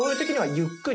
ゆっくり？